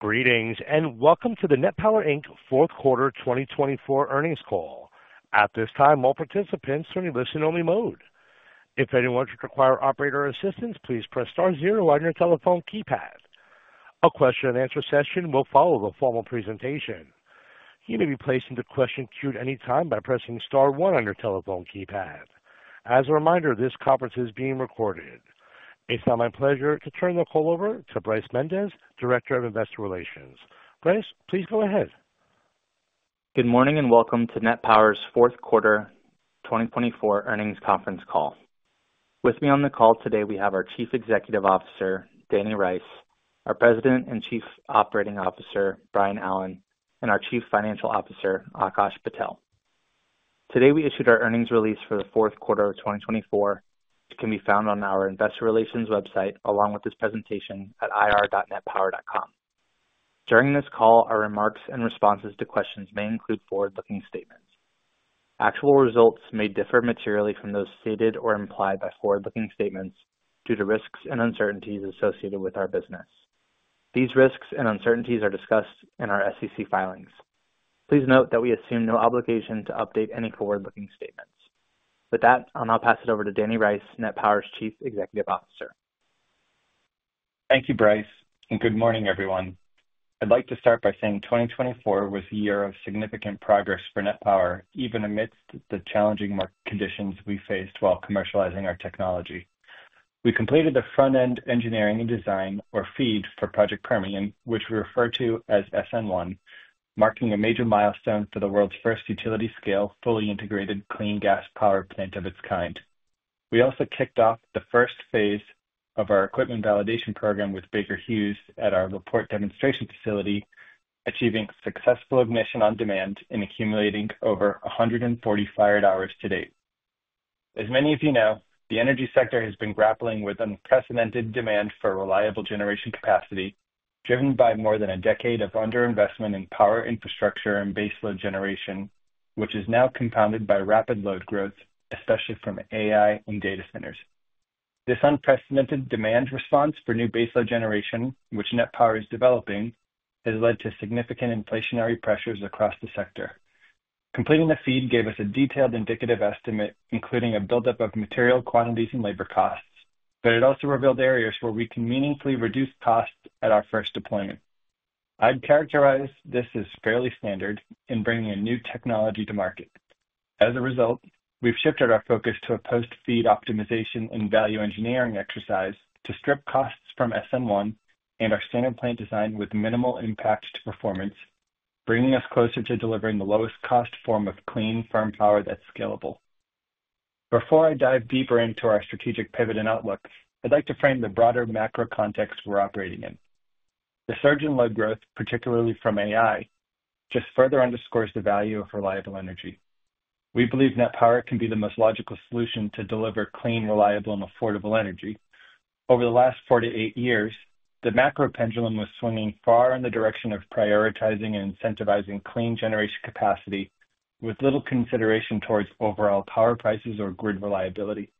Greetings and welcome to the Net Power Inc Fourth Quarter 2024 Earnings Call. At this time, all participants are in listen-only mode. If anyone should require operator assistance, please press star zero on your telephone keypad. A question-and-answer session will follow the formal presentation. You may be placed into question queue at any time by pressing star one on your telephone keypad. As a reminder, this conference is being recorded. It's now my pleasure to turn the call over to Bryce Mendes, Director of Investor Relations. Bryce, please go ahead. Good morning and welcome to Net Power's Fourth Quarter 2024 Earnings Conference Call. With me on the call today, we have our Chief Executive Officer, Danny Rice, our President and Chief Operating Officer, Brian Allen, and our Chief Financial Officer, Akash Patel. Today, we issued our earnings release for the fourth quarter of 2024, which can be found on our Investor Relations website along with this presentation at ir.netpower.com. During this call, our remarks and responses to questions may include forward-looking statements. Actual results may differ materially from those stated or implied by forward-looking statements due to risks and uncertainties associated with our business. These risks and uncertainties are discussed in our SEC filings. Please note that we assume no obligation to update any forward-looking statements. With that, I'll now pass it over to Danny Rice, Net Power's Chief Executive Officer. Thank you, Bryce, and good morning, everyone. I'd like to start by saying 2024 was a year of significant progress for Net Power, even amidst the challenging market conditions we faced while commercializing our technology. We completed the front-end engineering and design, or FEED, for Project Permian, which we refer to as SN1, marking a major milestone for the world's first utility-scale, fully integrated clean gas power plant of its kind. We also kicked off the first phase of our equipment validation program with Baker Hughes at our La Porte demonstration facility, achieving successful ignition on demand and accumulating over 140 fired hours to date. As many of you know, the energy sector has been grappling with unprecedented demand for reliable generation capacity, driven by more than a decade of underinvestment in power infrastructure and baseload generation, which is now compounded by rapid load growth, especially from AI and data centers. This unprecedented demand response for new baseload generation, which Net Power is developing, has led to significant inflationary pressures across the sector. Completing the FEED gave us a detailed indicative estimate, including a buildup of material quantities and labor costs, but it also revealed areas where we can meaningfully reduce costs at our first deployment. I'd characterize this as fairly standard in bringing a new technology to market. As a result, we've shifted our focus to a post-FEED optimization and value engineering exercise to strip costs from SN1 and our standard plant design with minimal impact to performance, bringing us closer to delivering the lowest cost form of clean, firm power that's scalable. Before I dive deeper into our strategic pivot and outlook, I'd like to frame the broader macro context we're operating in. The surge in load growth, particularly from AI, just further underscores the value of reliable energy. We believe Net Power can be the most logical solution to deliver clean, reliable, and affordable energy. Over the last four to eight years, the macro pendulum was swinging far in the direction of prioritizing and incentivizing clean generation capacity with little consideration towards overall power prices or grid reliability.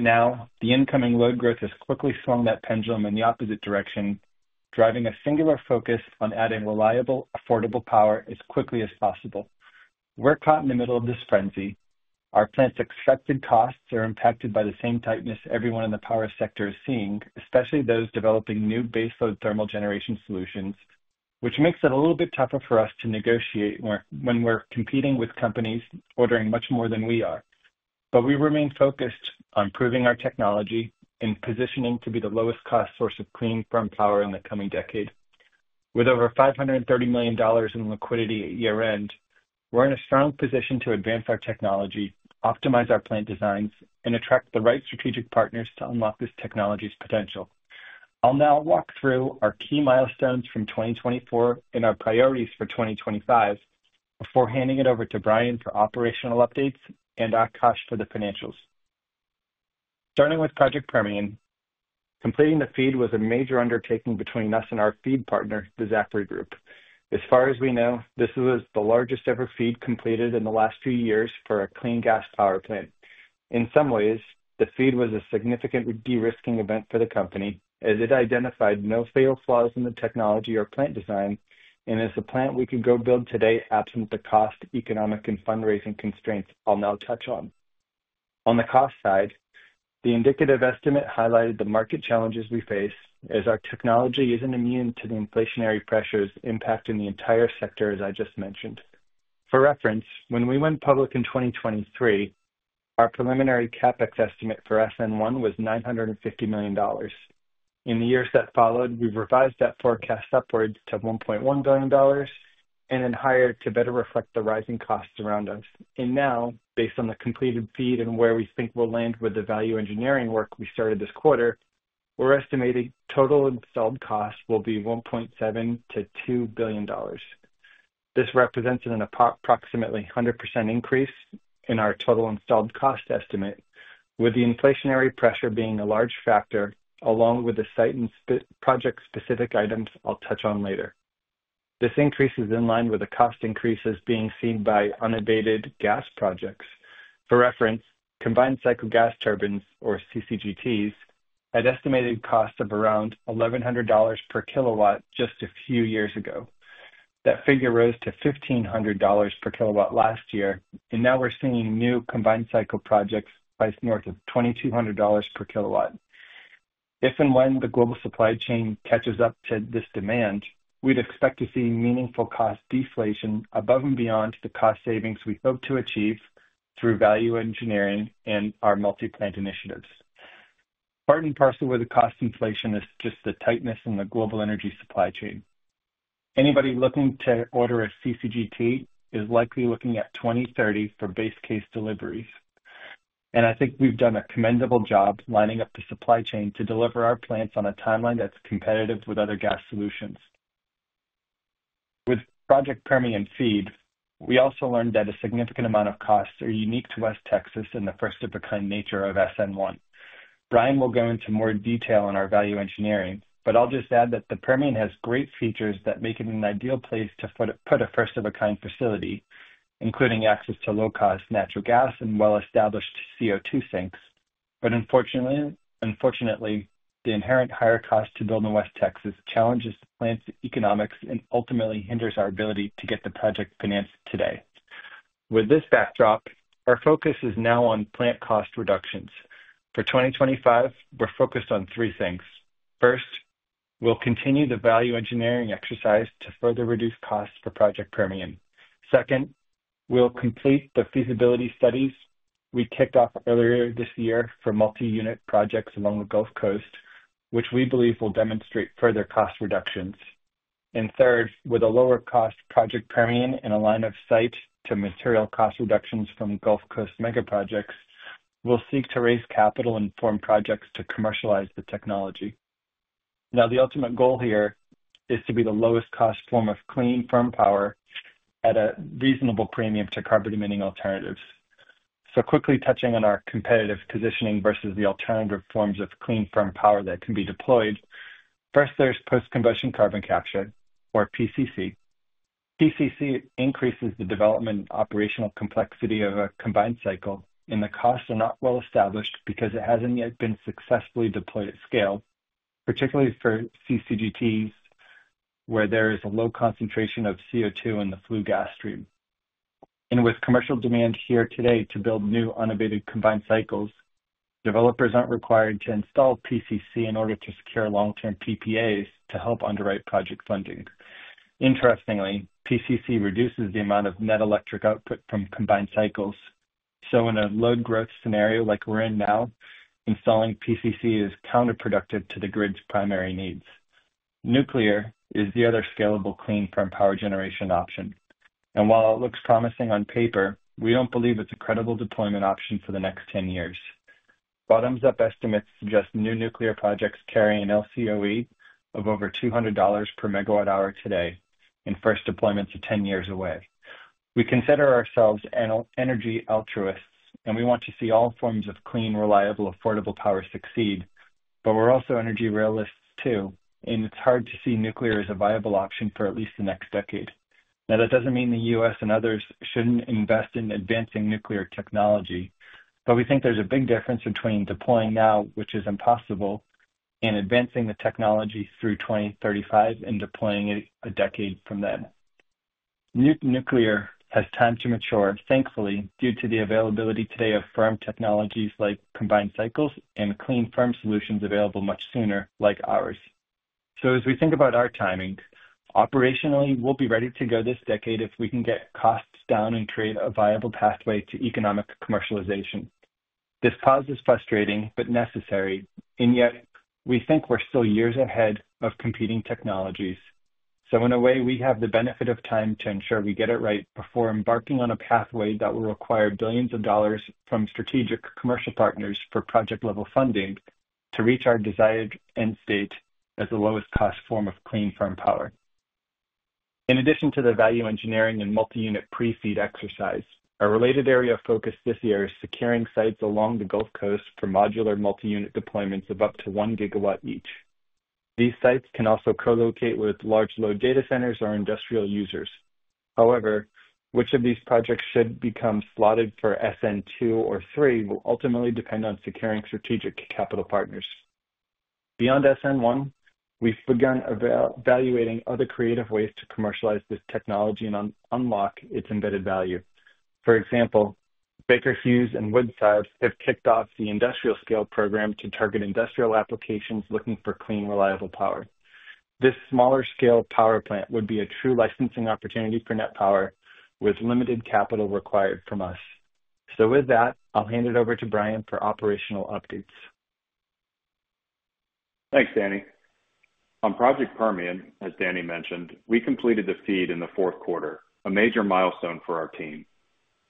Now, the incoming load growth has quickly swung that pendulum in the opposite direction, driving a singular focus on adding reliable, affordable power as quickly as possible. We're caught in the middle of this frenzy. Our plant's expected costs are impacted by the same tightness everyone in the power sector is seeing, especially those developing new baseload thermal generation solutions, which makes it a little bit tougher for us to negotiate when we're competing with companies ordering much more than we are. We remain focused on proving our technology and positioning to be the lowest cost source of clean, firm power in the coming decade. With over $530 million in liquidity at year-end, we're in a strong position to advance our technology, optimize our plant designs, and attract the right strategic partners to unlock this technology's potential. I'll now walk through our key milestones from 2024 and our priorities for 2025 before handing it over to Brian for operational updates and Akash for the financials. Starting with Project Permian, completing the FEED was a major undertaking between us and our FEED partner, the Zachry Group. As far as we know, this was the largest ever FEED completed in the last few years for a clean gas power plant. In some ways, the FEED was a significant de-risking event for the company, as it identified no fatal flaws in the technology or plant design, and as a plant we could go build today absent the cost, economic, and fundraising constraints I'll now touch on. On the cost side, the indicative estimate highlighted the market challenges we face, as our technology isn't immune to the inflationary pressures impacting the entire sector, as I just mentioned. For reference, when we went public in 2023, our preliminary CapEx estimate for SN1 was $950 million. In the years that followed, we've revised that forecast upwards to $1.1 billion and then higher to better reflect the rising costs around us. Now, based on the completed FEED and where we think we'll land with the value engineering work we started this quarter, we're estimating total installed costs will be $1.7 billion-$2 billion. This represents an approximately 100% increase in our total installed cost estimate, with the inflationary pressure being a large factor, along with the site and project-specific items I'll touch on later. This increase is in line with the cost increases being seen by unabated gas projects. For reference, combined cycle gas turbines, or CCGTs, had estimated costs of around $1,100 per kW just a few years ago. That figure rose to $1,500 per kW last year, and now we're seeing new combined cycle projects priced north of $2,200 per kW. If and when the global supply chain catches up to this demand, we'd expect to see meaningful cost deflation above and beyond the cost savings we hope to achieve through value engineering and our multi-plant initiatives. Part and parcel with the cost inflation is just the tightness in the global energy supply chain. Anybody looking to order a CCGT is likely looking at 2030 for base case deliveries. I think we've done a commendable job lining up the supply chain to deliver our plants on a timeline that's competitive with other gas solutions. With Project Permian FEED, we also learned that a significant amount of costs are unique to West Texas and the first-of-a-kind nature of SN1. Brian will go into more detail on our value engineering. I'll just add that the Permian has great features that make it an ideal place to put a first-of-a-kind facility, including access to low-cost natural gas and well-established CO2 sinks. Unfortunately, the inherent higher cost to build in West Texas challenges the plant's economics and ultimately hinders our ability to get the project financed today. With this backdrop, our focus is now on plant cost reductions. For 2025, we're focused on three things. First, we'll continue the value engineering exercise to further reduce costs for Project Permian. Second, we'll complete the feasibility studies we kicked off earlier this year for multi-unit projects along the Gulf Coast, which we believe will demonstrate further cost reductions. Third, with a lower-cost Project Permian and a line of sight to material cost reductions from Gulf Coast megaprojects, we'll seek to raise capital and form projects to commercialize the technology. The ultimate goal here is to be the lowest-cost form of clean, firm power at a reasonable premium to carbon-emitting alternatives. Quickly touching on our competitive positioning versus the alternative forms of clean, firm power that can be deployed, first, there's post-combustion carbon capture, or PCC. PCC increases the development and operational complexity of a combined cycle, and the costs are not well established because it has not yet been successfully deployed at scale, particularly for CCGTs, where there is a low concentration of CO2 in the flue gas stream. With commercial demand here today to build new unabated combined cycles, developers are not required to install PCC in order to secure long-term PPAs to help underwrite project funding. Interestingly, PCC reduces the amount of net electric output from combined cycles. In a load growth scenario like we are in now, installing PCC is counterproductive to the grid's primary needs. Nuclear is the other scalable clean, firm power generation option. While it looks promising on paper, we do not believe it is a credible deployment option for the next 10 years. Bottoms-up estimates suggest new nuclear projects carry an LCOE of over $200 per MWh today and first deployments are 10 years away. We consider ourselves energy altruists, and we want to see all forms of clean, reliable, affordable power succeed, but we're also energy realists too, and it's hard to see nuclear as a viable option for at least the next decade. Now, that doesn't mean the U.S. and others shouldn't invest in advancing nuclear technology, but we think there's a big difference between deploying now, which is impossible, and advancing the technology through 2035 and deploying it a decade from then. New nuclear has time to mature, thankfully, due to the availability today of firm technologies like combined cycles and clean, firm solutions available much sooner, like ours. As we think about our timing, operationally, we'll be ready to go this decade if we can get costs down and create a viable pathway to economic commercialization. This pause is frustrating, but necessary, and yet we think we're still years ahead of competing technologies. In a way, we have the benefit of time to ensure we get it right before embarking on a pathway that will require billions of dollars from strategic commercial partners for project-level funding to reach our desired end state as the lowest-cost form of clean, firm power. In addition to the value engineering and multi-unit pre-FEED exercise, our related area of focus this year is securing sites along the Gulf Coast for modular multi-unit deployments of up to one gigawatt each. These sites can also co-locate with large load data centers or industrial users. However, which of these projects should become slotted for SN2 or 3 will ultimately depend on securing strategic capital partners. Beyond SN1, we've begun evaluating other creative ways to commercialize this technology and unlock its embedded value. For example, Baker Hughes and Woodside have kicked off the industrial-scale program to target industrial applications looking for clean, reliable power. This smaller-scale power plant would be a true licensing opportunity for Net Power with limited capital required from us. With that, I'll hand it over to Brian for operational updates. Thanks, Danny. On Project Permian, as Danny mentioned, we completed the FEED in the fourth quarter, a major milestone for our team.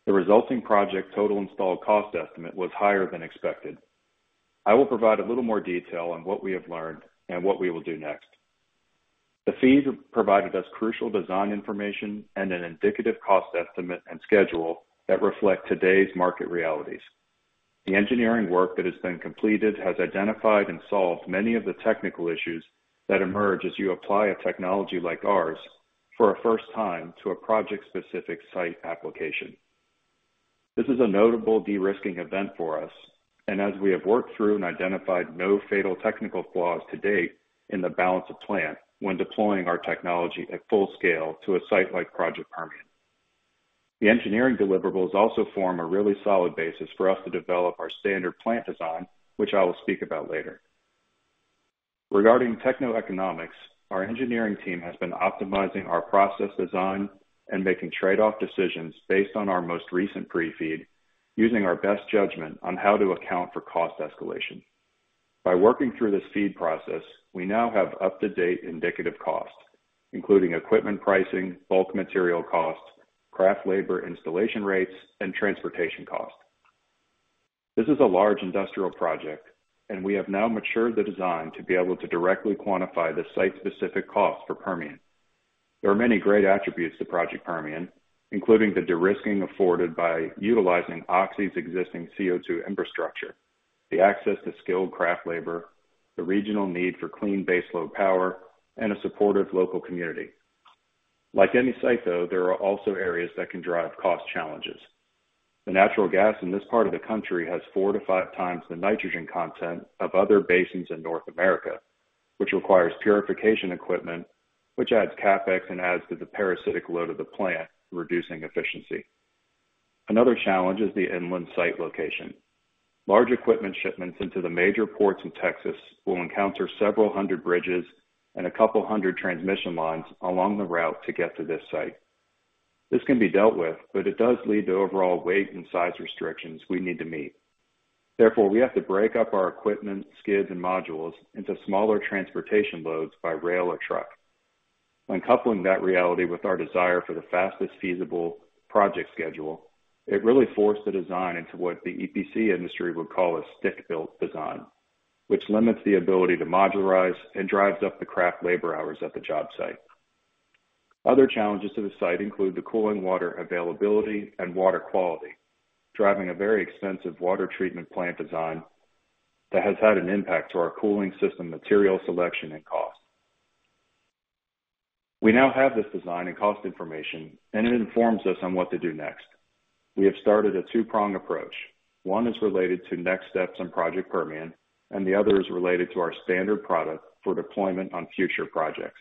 The resulting project total installed cost estimate was higher than expected. I will provide a little more detail on what we have learned and what we will do next. The FEED provided us crucial design information and an indicative cost estimate and schedule that reflect today's market realities. The engineering work that has been completed has identified and solved many of the technical issues that emerge as you apply a technology like ours for a first time to a project-specific site application. This is a notable de-risking event for us, and as we have worked through and identified no fatal technical flaws to date in the balance of plant when deploying our technology at full scale to a site like Project Permian. The engineering deliverables also form a really solid basis for us to develop our standard plant design, which I will speak about later. Regarding techno-economics, our engineering team has been optimizing our process design and making trade-off decisions based on our most recent pre-FEED, using our best judgment on how to account for cost escalation. By working through this FEED process, we now have up-to-date indicative costs, including equipment pricing, bulk material costs, craft labor installation rates, and transportation costs. This is a large industrial project, and we have now matured the design to be able to directly quantify the site-specific costs for Permian. There are many great attributes to Project Permian, including the de-risking afforded by utilizing existing CO2 infrastructure, the access to skilled craft labor, the regional need for clean baseload power, and a supportive local community. Like any site, though, there are also areas that can drive cost challenges. The natural gas in this part of the country has four to five times the nitrogen content of other basins in North America, which requires purification equipment, which adds CapEx and adds to the parasitic load of the plant, reducing efficiency. Another challenge is the inland site location. Large equipment shipments into the major ports in Texas will encounter several hundred bridges and a couple hundred transmission lines along the route to get to this site. This can be dealt with, but it does lead to overall weight and size restrictions we need to meet. Therefore, we have to break up our equipment, skids, and modules into smaller transportation loads by rail or truck. When coupling that reality with our desire for the fastest feasible project schedule, it really forced the design into what the EPC industry would call a stick-built design, which limits the ability to modularize and drives up the craft labor hours at the job site. Other challenges to the site include the cooling water availability and water quality, driving a very expensive water treatment plant design that has had an impact to our cooling system material selection and cost. We now have this design and cost information, and it informs us on what to do next. We have started a two-prong approach. One is related to next steps on Project Permian, and the other is related to our standard product for deployment on future projects.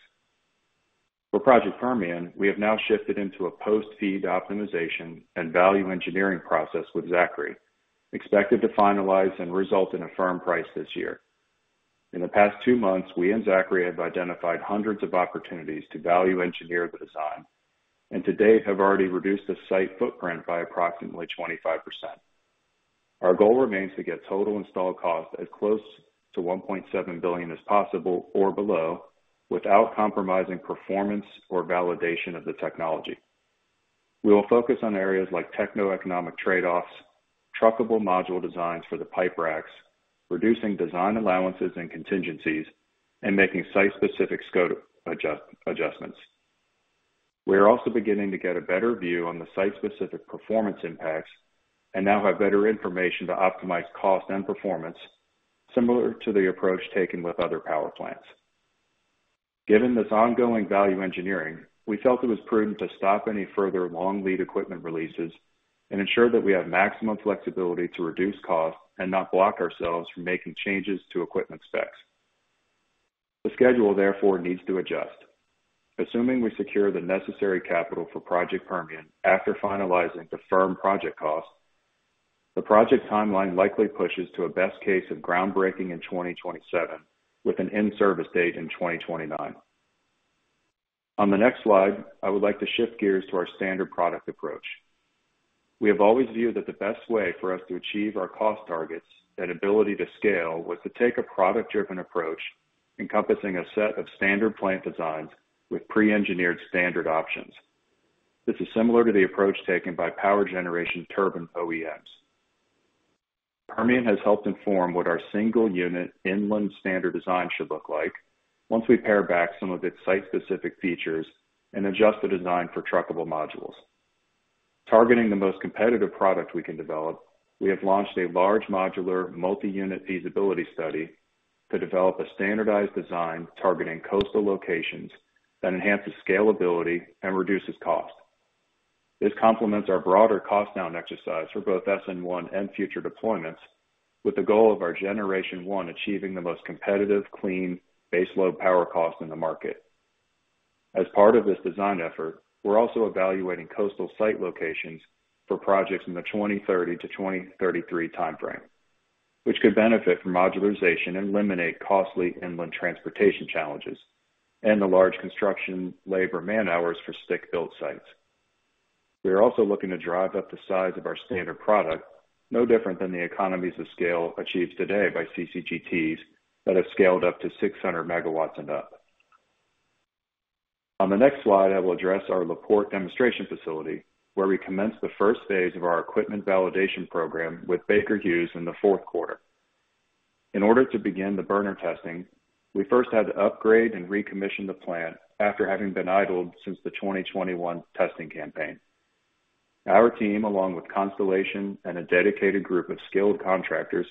For Project Permian, we have now shifted into a post-FEED optimization and value engineering process with Zachry, expected to finalize and result in a firm price this year. In the past two months, we and Zachry have identified hundreds of opportunities to value engineer the design, and to date have already reduced the site footprint by approximately 25%. Our goal remains to get total installed cost as close to $1.7 billion as possible or below without compromising performance or validation of the technology. We will focus on areas like techno-economic trade-offs, truckable module designs for the pipe racks, reducing design allowances and contingencies, and making site-specific scope adjustments. We are also beginning to get a better view on the site-specific performance impacts and now have better information to optimize cost and performance, similar to the approach taken with other power plants. Given this ongoing value engineering, we felt it was prudent to stop any further long lead equipment releases and ensure that we have maximum flexibility to reduce costs and not block ourselves from making changes to equipment specs. The schedule, therefore, needs to adjust. Assuming we secure the necessary capital for Project Permian after finalizing the firm project costs, the project timeline likely pushes to a best case of groundbreaking in 2027 with an in-service date in 2029. On the next slide, I would like to shift gears to our standard product approach. We have always viewed that the best way for us to achieve our cost targets and ability to scale was to take a product-driven approach encompassing a set of standard plant designs with pre-engineered standard options. This is similar to the approach taken by power generation turbine OEMs. Permian has helped inform what our single-unit inland standard design should look like once we pare back some of its site-specific features and adjust the design for truckable modules. Targeting the most competitive product we can develop, we have launched a large modular multi-unit feasibility study to develop a standardized design targeting coastal locations that enhances scalability and reduces cost. This complements our broader cost-down exercise for both SN1 and future deployments, with the goal of our generation one achieving the most competitive clean baseload power cost in the market. As part of this design effort, we're also evaluating coastal site locations for projects in the 2030-2033 timeframe, which could benefit from modularization and eliminate costly inland transportation challenges and the large construction labor man-hours for stick-built sites. We are also looking to drive up the size of our standard product, no different than the economies of scale achieved today by CCGTs that have scaled up to 600 megawatts and up. On the next slide, I will address our La Porte demonstration facility, where we commence the first phase of our equipment validation program with Baker Hughes in the fourth quarter. In order to begin the burner testing, we first had to upgrade and recommission the plant after having been idled since the 2021 testing campaign. Our team, along with Constellation and a dedicated group of skilled contractors,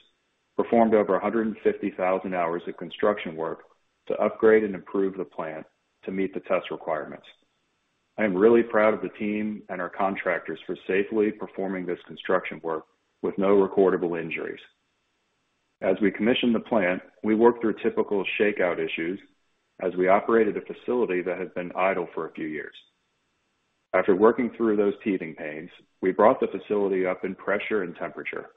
performed over 150,000 hours of construction work to upgrade and improve the plant to meet the test requirements. I am really proud of the team and our contractors for safely performing this construction work with no recordable injuries. As we commissioned the plant, we worked through typical shakeout issues as we operated a facility that had been idle for a few years. After working through those growing pains, we brought the facility up in pressure and temperature.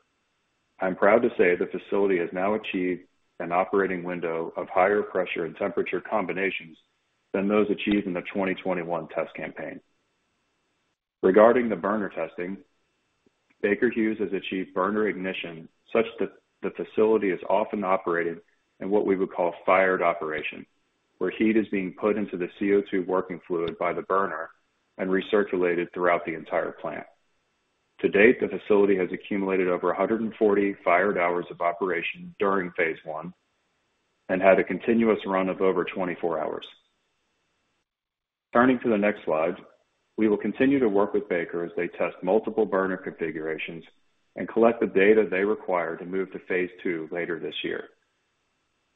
I'm proud to say the facility has now achieved an operating window of higher pressure and temperature combinations than those achieved in the 2021 test campaign. Regarding the burner testing, Baker Hughes has achieved burner ignition such that the facility is often operated in what we would call fired operation, where heat is being put into the CO2 working fluid by the burner and recirculated throughout the entire plant. To date, the facility has accumulated over 140 fired hours of operation during phase I and had a continuous run of over 24 hours. Turning to the next slide, we will continue to work with Baker as they test multiple burner configurations and collect the data they require to move to phase II later this year.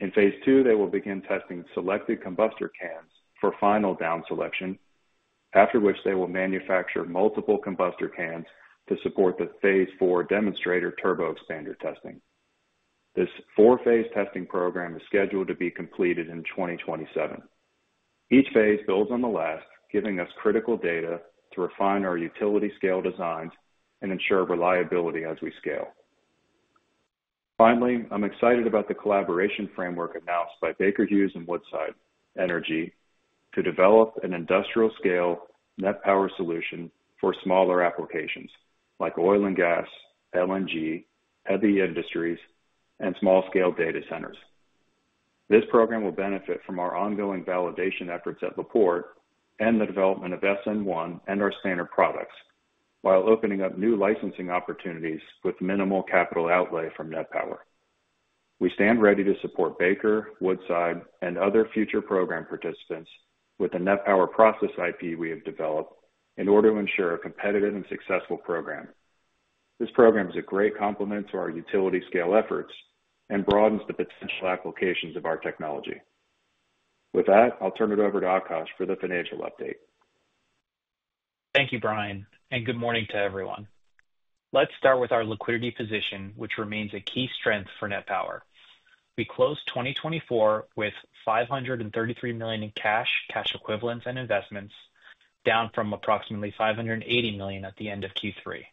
In phase II, they will begin testing selected combustor cans for final down selection, after which they will manufacture multiple combustor cans to support the phase IV demonstrator turboexpander testing. This four-phase testing program is scheduled to be completed in 2027. Each phase builds on the last, giving us critical data to refine our utility-scale designs and ensure reliability as we scale. Finally, I'm excited about the collaboration framework announced by Baker Hughes and Woodside Energy to develop an industrial-scale Net Power solution for smaller applications like oil and gas, LNG, heavy industries, and small-scale data centers. This program will benefit from our ongoing validation efforts at La Porte and the development of SN1 and our standard products, while opening up new licensing opportunities with minimal capital outlay from Net Power. We stand ready to support Baker, Woodside, and other future program participants with the Net Power process IP we have developed in order to ensure a competitive and successful program. This program is a great complement to our utility-scale efforts and broadens the potential applications of our technology. With that, I'll turn it over to Akash for the financial update. Thank you, Brian, and good morning to everyone. Let's start with our liquidity position, which remains a key strength for Net Power. We closed 2024 with $533 million in cash, cash equivalents, and investments, down from approximately $580 million at the end of Q3.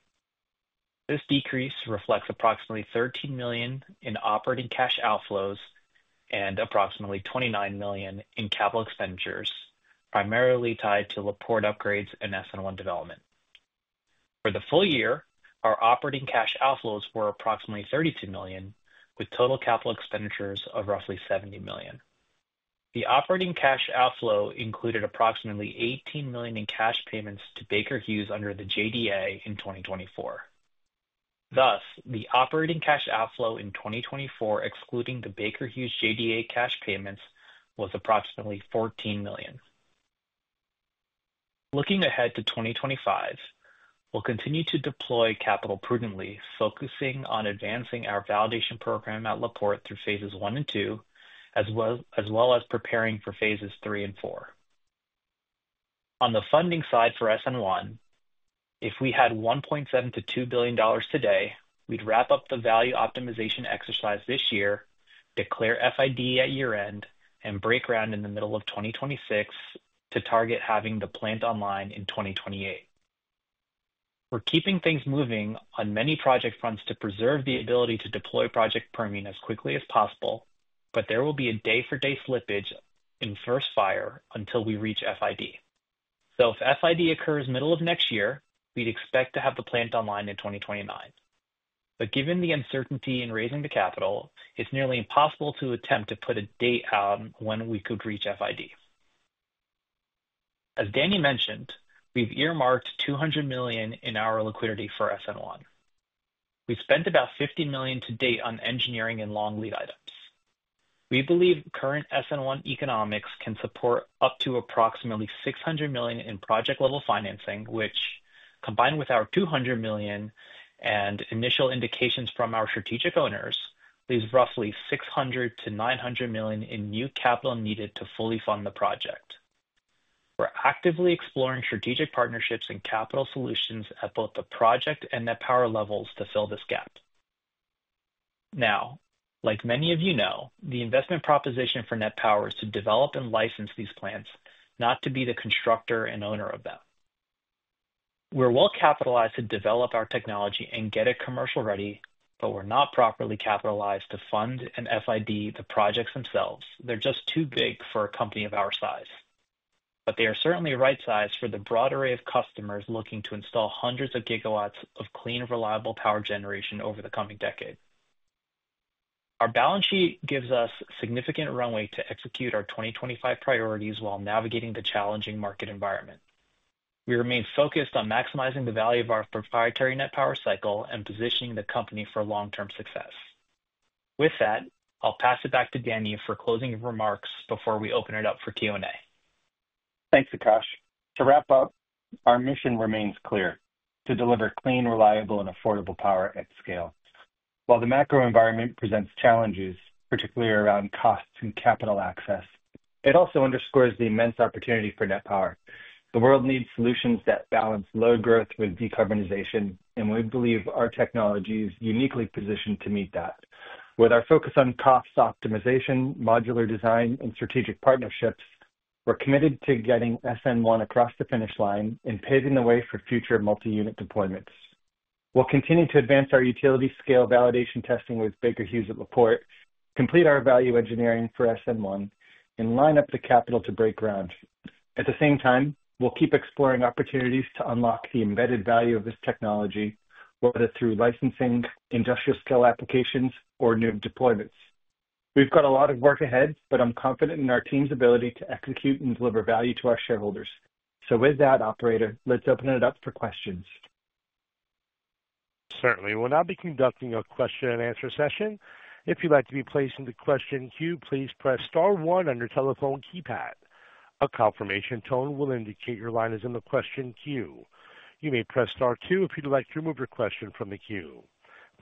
This decrease reflects approximately $13 million in operating cash outflows and approximately $29 million in capital expenditures, primarily tied to La Porte upgrades and SN1 development. For the full year, our operating cash outflows were approximately $32 million, with total capital expenditures of roughly $70 million. The operating cash outflow included approximately $18 million in cash payments to Baker Hughes under the JDA in 2024. Thus, the operating cash outflow in 2024, excluding the Baker Hughes JDA cash payments, was approximately $14 million. Looking ahead to 2025, we'll continue to deploy capital prudently, focusing on advancing our validation program at La Porte through phases I and II, as well as preparing for phases III and IV. On the funding side for SN1, if we had $1.7 billion-$2 billion today, we'd wrap up the value optimization exercise this year, declare FID at year-end, and break ground in the middle of 2026 to target having the plant online in 2028. We're keeping things moving on many project fronts to preserve the ability to deploy Project Permian as quickly as possible, but there will be a day-for-day slippage in first fire until we reach FID. If FID occurs middle of next year, we'd expect to have the plant online in 2029. Given the uncertainty in raising the capital, it's nearly impossible to attempt to put a date out on when we could reach FID. As Danny mentioned, we've earmarked $200 million in our liquidity for SN1. We've spent about $50 million to date on engineering and long lead items. We believe current SN1 economics can support up to approximately $600 million in project-level financing, which, combined with our $200 million and initial indications from our strategic owners, leaves roughly $600 million-$900 million in new capital needed to fully fund the project. We're actively exploring strategic partnerships and capital solutions at both the project and Net Power levels to fill this gap. Now, like many of you know, the investment proposition for Net Power is to develop and license these plants, not to be the constructor and owner of them. We're well-capitalized to develop our technology and get it commercial-ready, but we're not properly capitalized to fund and FID the projects themselves. They're just too big for a company of our size. They are certainly right-sized for the broad array of customers looking to install hundreds of gigawatts of clean, reliable power generation over the coming decade. Our balance sheet gives us significant runway to execute our 2025 priorities while navigating the challenging market environment. We remain focused on maximizing the value of our proprietary Net Power cycle and positioning the company for long-term success. With that, I'll pass it back to Danny for closing remarks before we open it up for Q&A. Thanks, Akash. To wrap up, our mission remains clear: to deliver clean, reliable, and affordable power at scale. While the macro environment presents challenges, particularly around costs and capital access, it also underscores the immense opportunity for Net Power. The world needs solutions that balance load growth with decarbonization, and we believe our technology is uniquely positioned to meet that. With our focus on cost optimization, modular design, and strategic partnerships, we're committed to getting SN1 across the finish line and paving the way for future multi-unit deployments. We'll continue to advance our utility-scale validation testing with Baker Hughes at La Porte, complete our value engineering for SN1, and line up the capital to break ground. At the same time, we'll keep exploring opportunities to unlock the embedded value of this technology, whether through licensing, industrial-scale applications, or new deployments. We've got a lot of work ahead, but I'm confident in our team's ability to execute and deliver value to our shareholders. With that, operator, let's open it up for questions. Certainly. We'll now be conducting a question-and-answer session. If you'd like to be placed in the question queue, please press star one on your telephone keypad. A confirmation tone will indicate your line is in the question queue. You may press star two if you'd like to remove your question from the queue.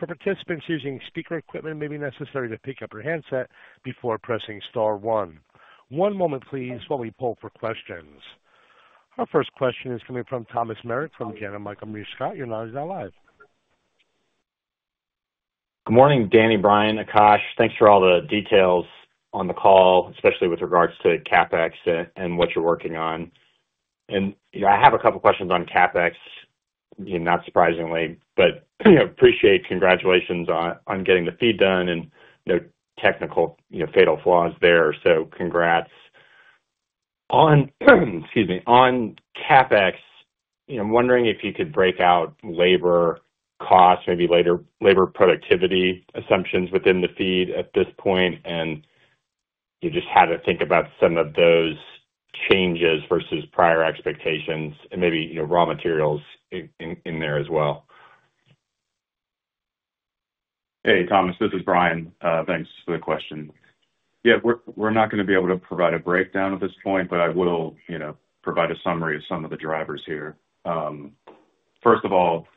For participants using speaker equipment, it may be necessary to pick up your handset before pressing star one. One moment, please, while we pull for questions. Our first question is coming from Thomas Meric from Janney Montgomery Scott. You're now on the dial live. Good morning, Danny, Brian, Akash. Thanks for all the details on the call, especially with regards to CapEx and what you're working on. I have a couple of questions on CapEx, not surprisingly, but I appreciate congratulations on getting the FEED done and no technical fatal flaws there. Congrats. On CapEx, I'm wondering if you could break out labor costs, maybe labor productivity assumptions within the FEED at this point, and just how to think about some of those changes versus prior expectations and maybe raw materials in there as well. Hey, Thomas, this is Brian. Thanks for the question. Yeah, we're not going to be able to provide a breakdown at this point, but I will provide a summary of some of the drivers here. First of all,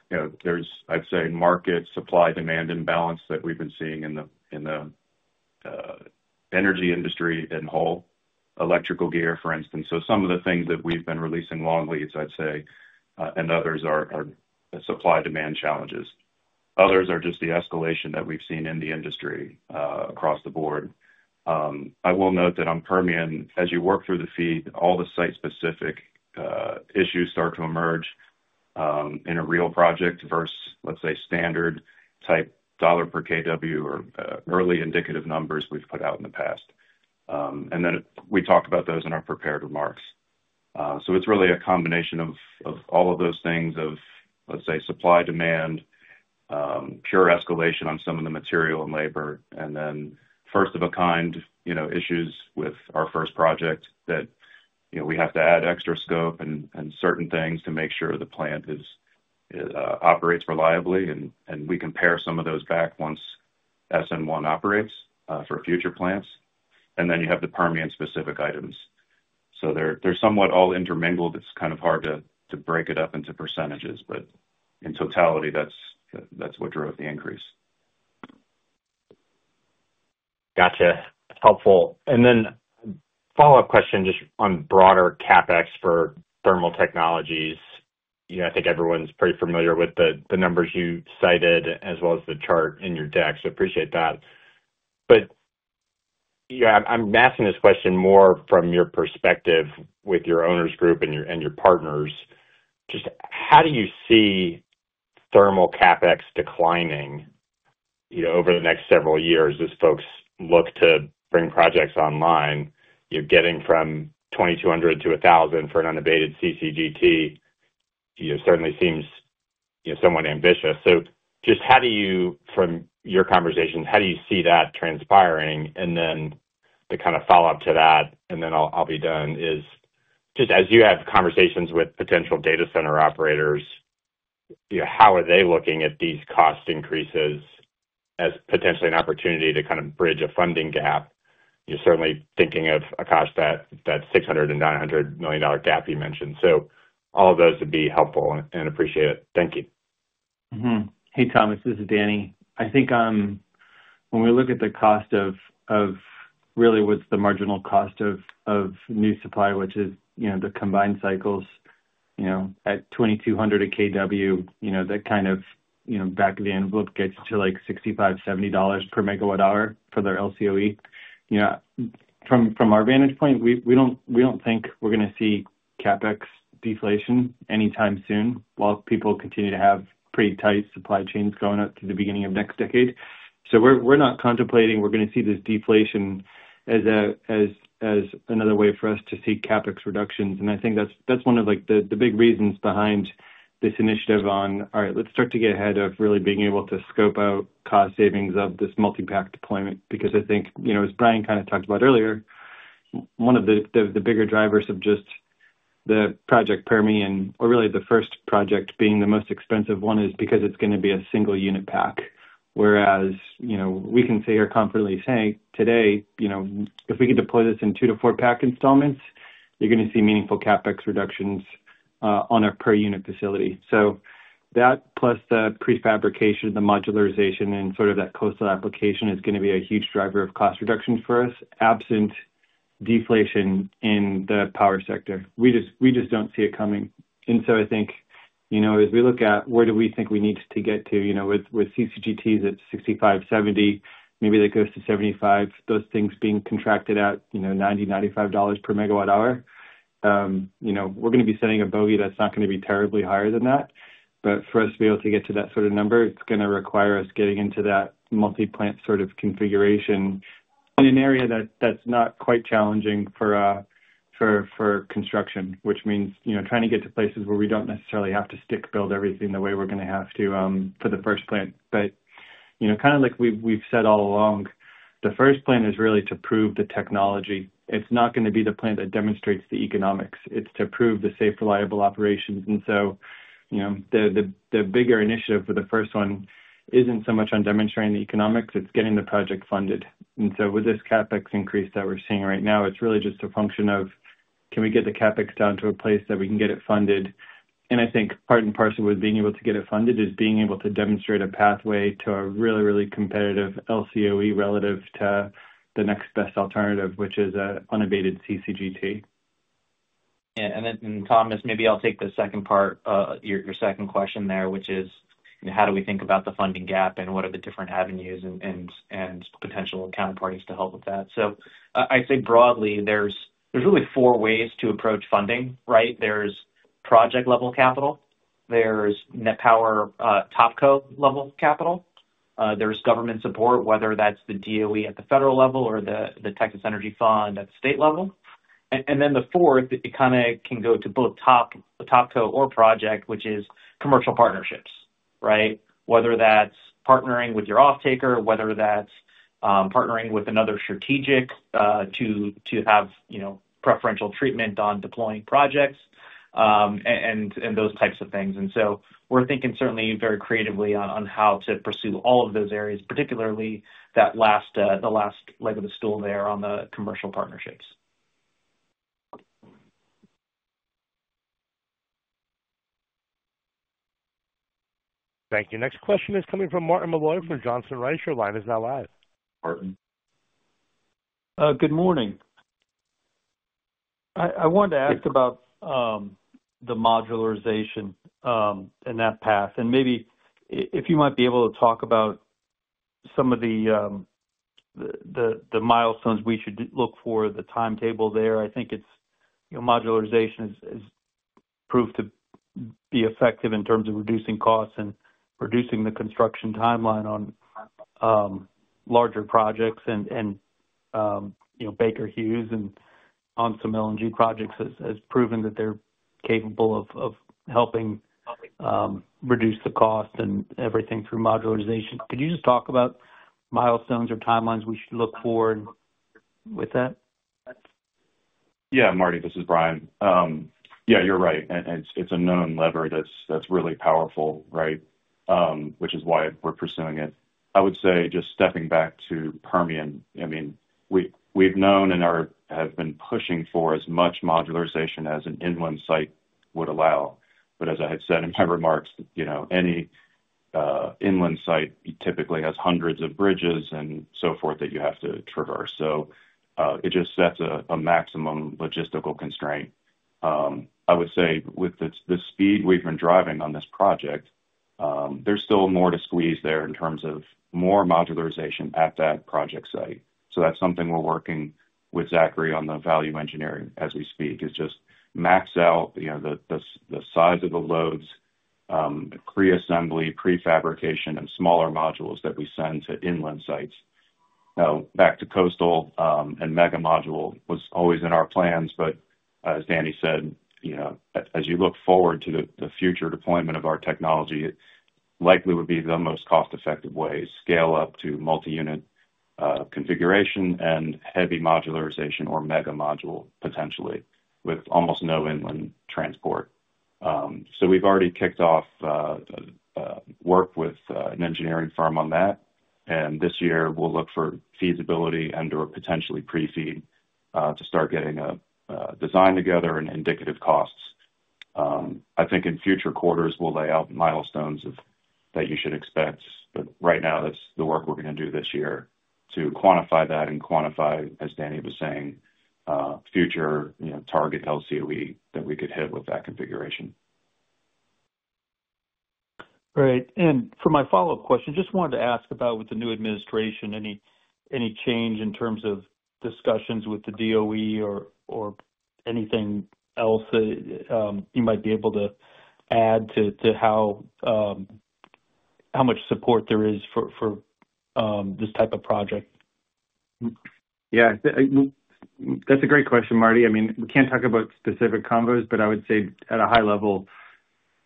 there's, I'd say, market supply-demand imbalance that we've been seeing in the energy industry in whole electrical gear, for instance. Some of the things that we've been releasing long leads, I'd say, and others are supply-demand challenges. Others are just the escalation that we've seen in the industry across the board. I will note that on Permian, as you work through the FEED, all the site-specific issues start to emerge in a real project versus, let's say, standard type dollar per kW or early indicative numbers we've put out in the past. We talked about those in our prepared remarks. It is really a combination of all of those things of, let's say, supply-demand, pure escalation on some of the material and labor, and then first-of-a-kind issues with our first project that we have to add extra scope and certain things to make sure the plant operates reliably. We compare some of those back once SN1 operates for future plants. You have the Permian-specific items. They are somewhat all intermingled. It is kind of hard to break it up into percentages, but in totality, that is what drove the increase. Gotcha. Helpful. Then follow-up question just on broader CapEx for thermal technologies. I think everyone's pretty familiar with the numbers you cited as well as the chart in your deck, so appreciate that. I'm asking this question more from your perspective with your owners' group and your partners. Just how do you see thermal CapEx declining over the next several years as folks look to bring projects online? You're getting from $2,200 to $1,000 for an unabated CCGT. It certainly seems somewhat ambitious. Just from your conversations, how do you see that transpiring? The kind of follow-up to that, and then I'll be done, is just as you have conversations with potential data center operators, how are they looking at these cost increases as potentially an opportunity to kind of bridge a funding gap? Certainly thinking of, Akash, that $600 million and $900 million gap you mentioned. All of those would be helpful and appreciate it. Thank you. Hey, Thomas, this is Danny. I think when we look at the cost of really what's the marginal cost of new supply, which is the combined cycles at $2,200 a kW, that kind of back of the envelope gets to like $65-$70 per MWh for their LCOE. From our vantage point, we do not think we are going to see CapEx deflation anytime soon while people continue to have pretty tight supply chains going up through the beginning of next decade. We are not contemplating we are going to see this deflation as another way for us to see CapEx reductions. I think that is one of the big reasons behind this initiative on, all right, let's start to get ahead of really being able to scope out cost savings of this multi-pack deployment. Because I think, as Brian kind of talked about earlier, one of the bigger drivers of just the Project Permian, or really the first project being the most expensive one, is because it's going to be a single-unit pack. Whereas we can say or confidently say today, if we can deploy this in two- to four-pack installments, you're going to see meaningful CapEx reductions on a per-unit facility. That plus the prefabrication, the modularization, and sort of that coastal application is going to be a huge driver of cost reduction for us, absent deflation in the power sector. We just don't see it coming. I think as we look at where do we think we need to get to with CCGTs at $65, $70, maybe that goes to $75, those things being contracted at $90, $95 per megawatt hour, we're going to be setting a bogey that's not going to be terribly higher than that. For us to be able to get to that sort of number, it's going to require us getting into that multi-plant sort of configuration in an area that's not quite challenging for construction, which means trying to get to places where we don't necessarily have to stick build everything the way we're going to have to for the first plant. Kind of like we've said all along, the first plan is really to prove the technology. It's not going to be the plant that demonstrates the economics. It's to prove the safe, reliable operations. The bigger initiative for the first one is not so much on demonstrating the economics. It is getting the project funded. With this CapEx increase that we are seeing right now, it is really just a function of, can we get the CapEx down to a place that we can get it funded? I think part and parcel with being able to get it funded is being able to demonstrate a pathway to a really, really competitive LCOE relative to the next best alternative, which is an unabated CCGT. Yeah. Thomas, maybe I will take the second part, your second question there, which is how do we think about the funding gap and what are the different avenues and potential counterparties to help with that? I would say broadly, there are really four ways to approach funding, right? There is project-level capital. There is Net Power Topco level capital. There's government support, whether that's the DOE at the federal level or the Texas Energy Fund at the state level. The fourth, it kind of can go to both Topco or Project, which is commercial partnerships, right? Whether that's partnering with your off-taker, whether that's partnering with another strategic to have preferential treatment on deploying projects and those types of things. We are thinking certainly very creatively on how to pursue all of those areas, particularly the last leg of the stool there on the commercial partnerships. Thank you. Next question is coming from Martin Malloy from Johnson Rice. Your line is now live. Martin. Good morning. I wanted to ask about the modularization and that path. Maybe if you might be able to talk about some of the milestones we should look for, the timetable there. I think modularization has proved to be effective in terms of reducing costs and reducing the construction timeline on larger projects. Baker Hughes and on some LNG projects has proven that they're capable of helping reduce the cost and everything through modularization. Could you just talk about milestones or timelines we should look for with that? Yeah, Marty, this is Brian. Yeah, you're right. It's a known lever that's really powerful, right? Which is why we're pursuing it. I would say just stepping back to Permian, I mean, we've known and have been pushing for as much modularization as an inland site would allow. As I had said in my remarks, any inland site typically has hundreds of bridges and so forth that you have to traverse. It just sets a maximum logistical constraint. I would say with the speed we've been driving on this project, there's still more to squeeze there in terms of more modularization at that project site. That's something we're working with Zachry on, the value engineering as we speak, is just max out the size of the loads, pre-assembly, prefabrication, and smaller modules that we send to inland sites. Now, back to coastal and mega module was always in our plans, but as Danny said, as you look forward to the future deployment of our technology, it likely would be the most cost-effective way: scale up to multi-unit configuration and heavy modularization or mega module potentially with almost no inland transport. We've already kicked off work with an engineering firm on that. This year, we'll look for feasibility and/or potentially pre-FEED to start getting a design together and indicative costs. I think in future quarters, we'll lay out milestones that you should expect. Right now, that's the work we're going to do this year to quantify that and quantify, as Danny was saying, future target LCOE that we could hit with that configuration. Right. For my follow-up question, just wanted to ask about with the new administration, any change in terms of discussions with the DOE or anything else that you might be able to add to how much support there is for this type of project? Yeah. That's a great question, Marty. I mean, we can't talk about specific convos, but I would say at a high level,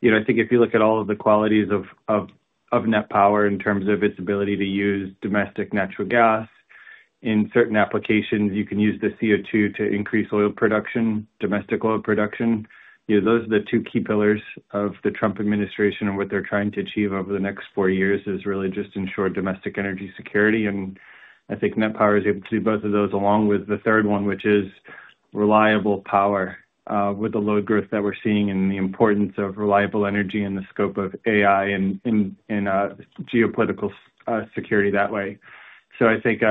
I think if you look at all of the qualities of Net Power in terms of its ability to use domestic natural gas in certain applications, you can use the CO2 to increase oil production, domestic oil production. Those are the two key pillars of the Trump administration and what they're trying to achieve over the next four years is really just ensure domestic energy security. I think Net Power is able to do both of those along with the third one, which is reliable power with the load growth that we're seeing and the importance of reliable energy and the scope of AI and geopolitical security that way. I think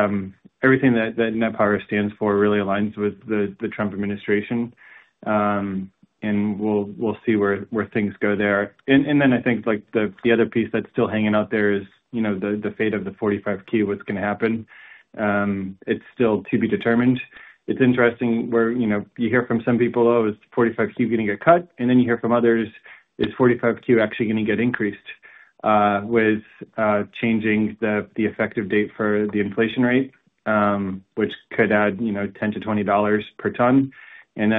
everything that Net Power stands for really aligns with the Trump administration. We'll see where things go there. I think the other piece that's still hanging out there is the fate of the 45Q, what's going to happen. It's still to be determined. It's interesting where you hear from some people, "Oh, is 45Q going to get cut?" You hear from others, "Is 45Q actually going to get increased with changing the effective date for the inflation rate, which could add $10-$20 per ton?"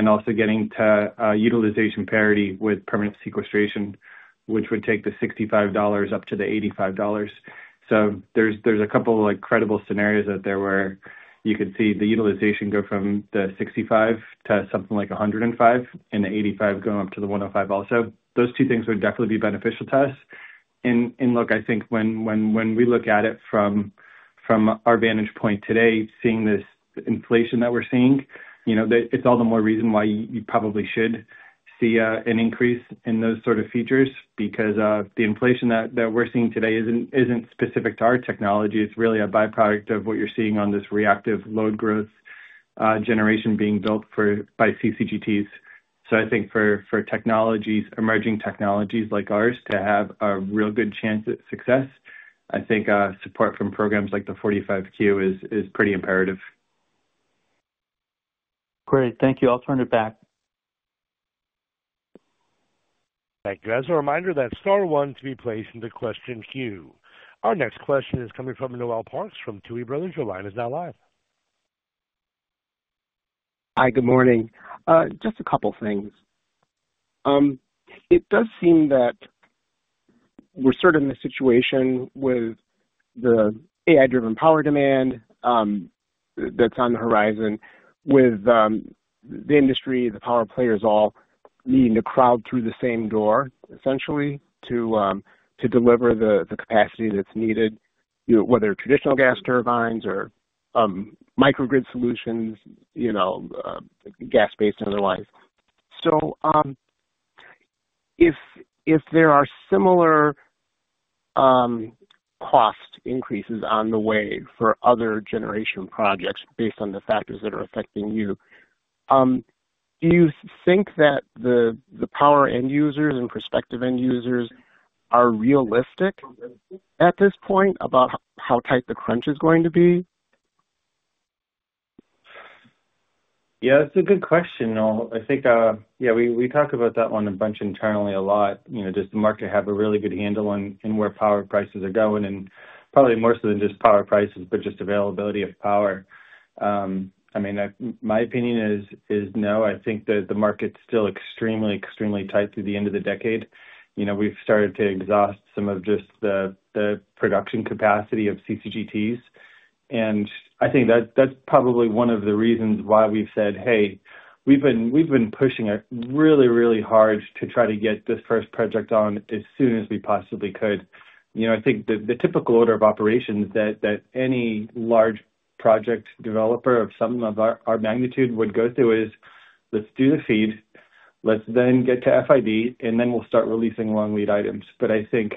Also, getting to utilization parity with permanent sequestration, which would take the $65 up to the $85. There are a couple of credible scenarios out there where you could see the utilization go from the $65 to something like $105 and the $85 going up to the $105 also. Those two things would definitely be beneficial to us. Look, I think when we look at it from our vantage point today, seeing this inflation that we're seeing, it's all the more reason why you probably should see an increase in those sort of features because the inflation that we're seeing today isn't specific to our technology. It's really a byproduct of what you're seeing on this reactive load growth generation being built by CCGTs. I think for emerging technologies like ours to have a real good chance at success, I think support from programs like the 45Q is pretty imperative. Great. Thank you. I'll turn it back. Thank you. As a reminder, that is star one to be placed into question queue. Our next question is coming from Noel Parks from Tuohy Brothers. Your line is now live. Hi, good morning. Just a couple of things. It does seem that we're sort of in a situation with the AI-driven power demand that's on the horizon with the industry, the power players all needing to crowd through the same door, essentially, to deliver the capacity that's needed, whether traditional gas turbines or microgrid solutions, gas-based and otherwise. If there are similar cost increases on the way for other generation projects based on the factors that are affecting you, do you think that the power end users and prospective end users are realistic at this point about how tight the crunch is going to be? Yeah, that's a good question. I think, yeah, we talk about that one a bunch internally a lot. Does the market have a really good handle on where power prices are going? And probably more so than just power prices, but just availability of power. I mean, my opinion is no. I think that the market's still extremely, extremely tight through the end of the decade. We've started to exhaust some of just the production capacity of CCGTs. I think that's probably one of the reasons why we've said, "Hey, we've been pushing it really, really hard to try to get this first project on as soon as we possibly could." I think the typical order of operations that any large project developer of some of our magnitude would go through is, "Let's do the FEED. Let's then get to FID, and then we'll start releasing long lead items." I think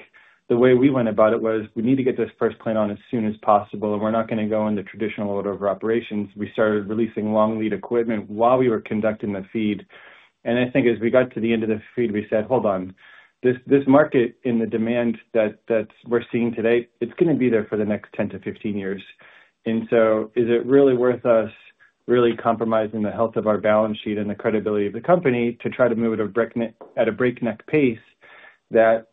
the way we went about it was, "We need to get this first plant on as soon as possible. We're not going to go into traditional order of operations." We started releasing long lead equipment while we were conducting the FEED. I think as we got to the end of the FEED, we said, "Hold on. This market and the demand that we're seeing today, it's going to be there for the next 10 to 15 years." Is it really worth us really compromising the health of our balance sheet and the credibility of the company to try to move at a breakneck pace that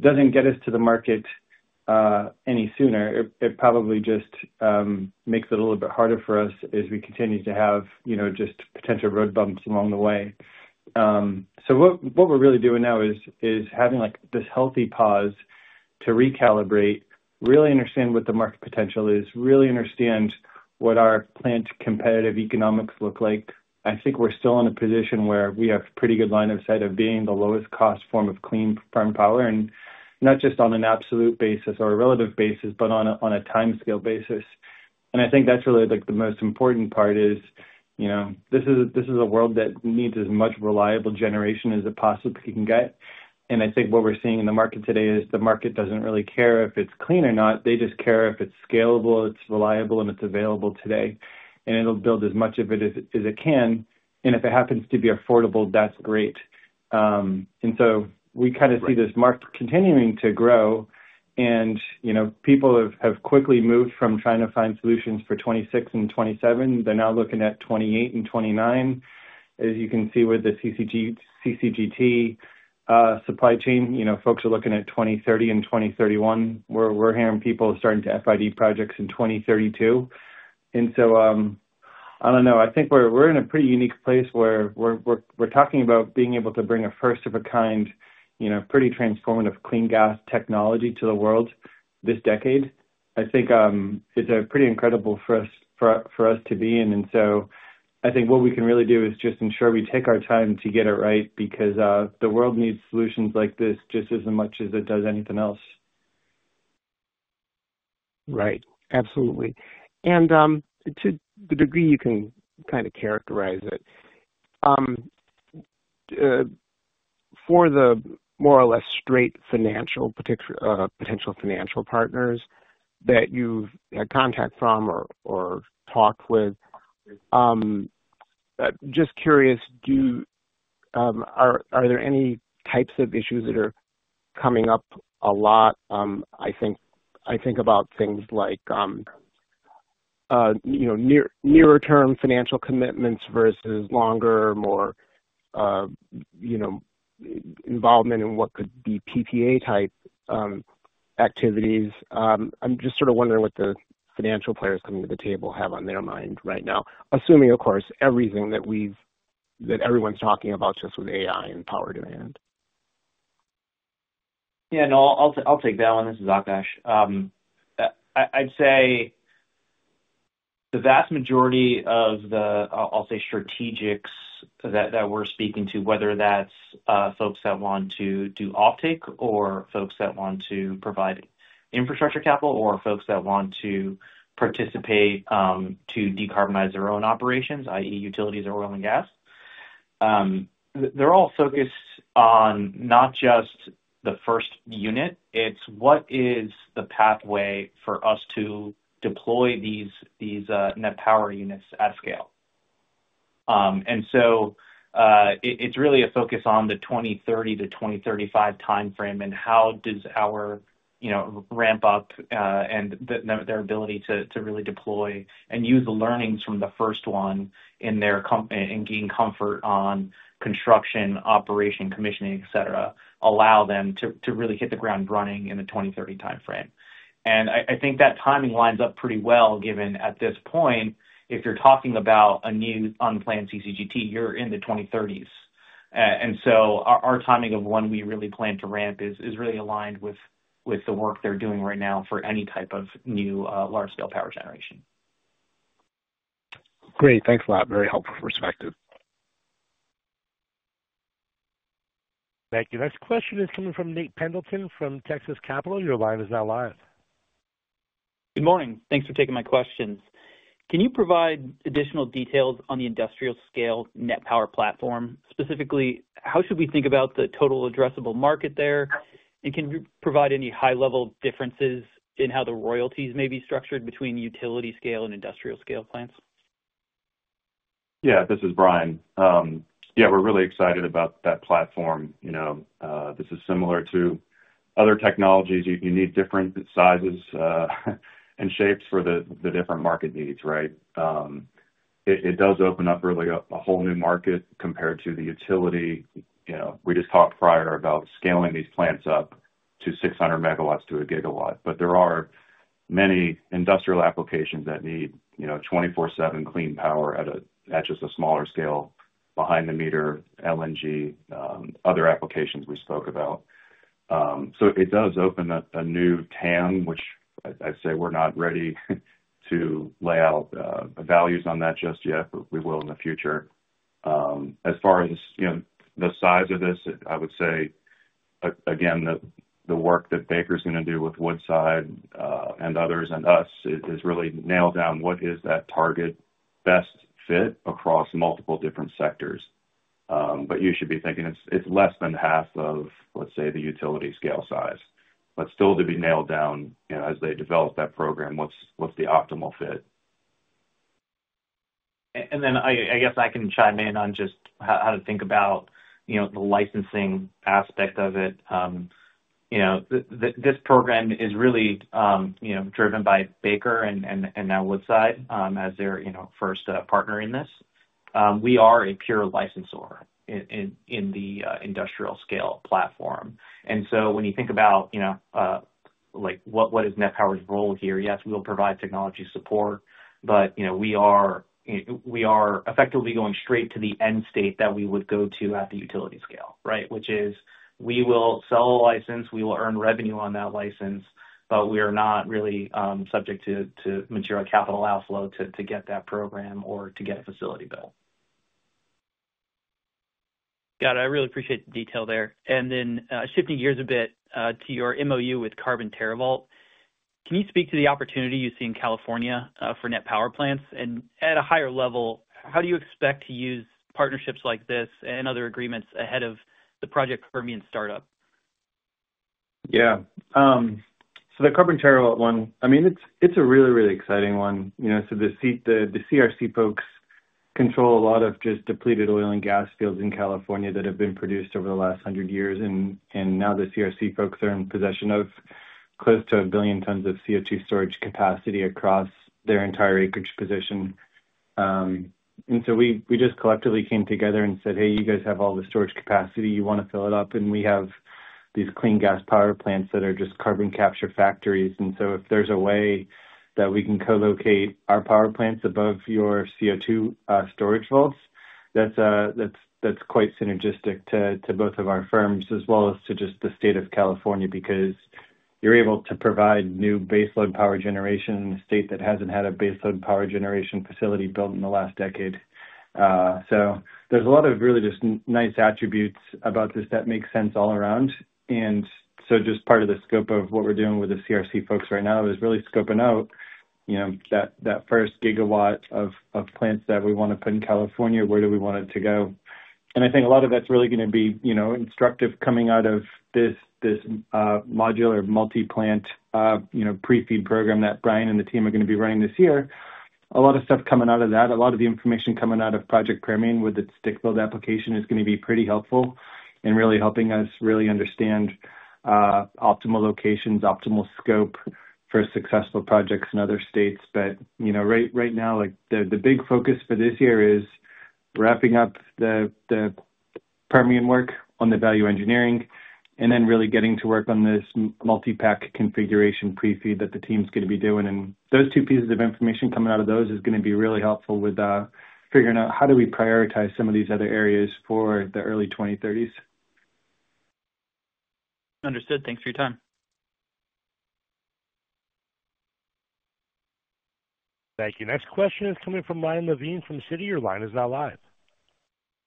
doesn't get us to the market any sooner? It probably just makes it a little bit harder for us as we continue to have just potential road bumps along the way. What we're really doing now is having this healthy pause to recalibrate, really understand what the market potential is, really understand what our plant competitive economics look like. I think we're still in a position where we have a pretty good line of sight of being the lowest cost form of clean firm power, and not just on an absolute basis or a relative basis, but on a timescale basis. I think that's really the most important part. This is a world that needs as much reliable generation as it possibly can get. I think what we're seeing in the market today is the market doesn't really care if it's clean or not. They just care if it's scalable, it's reliable, and it's available today. It will build as much of it as it can. If it happens to be affordable, that's great. We kind of see this market continuing to grow. People have quickly moved from trying to find solutions for 2026 and 2027. They're now looking at 2028 and 2029. As you can see with the CCGT supply chain, folks are looking at 2030 and 2031. We're hearing people starting to FID projects in 2032. I don't know. I think we're in a pretty unique place where we're talking about being able to bring a first-of-a-kind, pretty transformative clean gas technology to the world this decade. I think it's pretty incredible for us to be in. I think what we can really do is just ensure we take our time to get it right because the world needs solutions like this just as much as it does anything else. Right. Absolutely. To the degree you can kind of characterize it, for the more or less straight potential financial partners that you've had contact from or talked with, just curious, are there any types of issues that are coming up a lot? I think about things like nearer-term financial commitments versus longer, more involvement in what could be PPA-type activities. I'm just sort of wondering what the financial players coming to the table have on their mind right now, assuming, of course, everything that everyone's talking about just with AI and power demand. Yeah. No, I'll take that one. This is Akash. I'd say the vast majority of the, I'll say, strategics that we're speaking to, whether that's folks that want to do offtake or folks that want to provide infrastructure capital or folks that want to participate to decarbonize their own operations, i.e., utilities or oil and gas, they're all focused on not just the first unit. It's what is the pathway for us to deploy these Net Power units at scale. It is really a focus on the 2030-2035 timeframe and how does our ramp up and their ability to really deploy and use the learnings from the first one in their company and gain comfort on construction, operation, commissioning, etc., allow them to really hit the ground running in the 2030 timeframe. I think that timing lines up pretty well given at this point, if you're talking about a new unplanned CCGT, you're in the 2030s. Our timing of when we really plan to ramp is really aligned with the work they're doing right now for any type of new large-scale power generation. Great. Thanks a lot. Very helpful perspective. Thank you. Next question is coming from Nate Pendleton from Texas Capital. Your line is now live. Good morning. Thanks for taking my questions. Can you provide additional details on the industrial-scale Net Power platform? Specifically, how should we think about the total addressable market there? And can you provide any high-level differences in how the royalties may be structured between utility-scale and industrial-scale plants? Yeah. This is Brian. Yeah, we're really excited about that platform. This is similar to other technologies. You need different sizes and shapes for the different market needs, right? It does open up really a whole new market compared to the utility. We just talked prior about scaling these plants up to 600 MW to a GW. There are many industrial applications that need 24/7 clean power at just a smaller scale, behind-the-meter LNG, other applications we spoke about. It does open a new TAM, which I'd say we're not ready to lay out values on that just yet, but we will in the future. As far as the size of this, I would say, again, the work that Baker Hughes is going to do with Woodside and others and us is really nail down what is that target best fit across multiple different sectors. You should be thinking it's less than half of, let's say, the utility-scale size. Still to be nailed down as they develop that program, what's the optimal fit? I guess I can chime in on just how to think about the licensing aspect of it. This program is really driven by Baker Hughes and now Woodside as their first partner in this. We are a pure licensor in the industrial-scale platform. When you think about what is Net Power's role here, yes, we'll provide technology support, but we are effectively going straight to the end state that we would go to at the utility scale, right? Which is we will sell a license. We will earn revenue on that license, but we are not really subject to material capital outflow to get that program or to get a facility built. Got it. I really appreciate the detail there. Shifting gears a bit to your MOU with Carbon TerraVault. Can you speak to the opportunity you see in California for Net Power plants? At a higher level, how do you expect to use partnerships like this and other agreements ahead of the Project Permian startup? Yeah. The Carbon Terra one, I mean, it's a really, really exciting one. The CRC folks control a lot of just depleted oil and gas fields in California that have been produced over the last 100 years. Now the CRC folks are in possession of close to a billion tons of CO2 storage capacity across their entire acreage position. We just collectively came together and said, "Hey, you guys have all the storage capacity. You want to fill it up?" We have these clean gas power plants that are just carbon capture factories. If there's a way that we can co-locate our power plants above your CO2 storage vaults, that's quite synergistic to both of our firms as well as to just the state of California because you're able to provide new baseload power generation in a state that hasn't had a baseload power generation facility built in the last decade. There are a lot of really just nice attributes about this that make sense all around. Just part of the scope of what we're doing with the CRC folks right now is really scoping out that first gigawatt of plants that we want to put in California. Where do we want it to go? I think a lot of that's really going to be instructive coming out of this modular multi-plant pre-FEED program that Brian and the team are going to be running this year. A lot of stuff coming out of that, a lot of the information coming out of Project Permian with its stick-build application is going to be pretty helpful in really helping us really understand optimal locations, optimal scope for successful projects in other states. Right now, the big focus for this year is wrapping up the Permian work on the value engineering and then really getting to work on this multi-pack configuration pre-FEED that the team's going to be doing. Those two pieces of information coming out of those is going to be really helpful with figuring out how do we prioritize some of these other areas for the early 2030s. Understood. Thanks for your time. Thank you. Next question is coming from Ryan Levine from Citi. Your line is now live.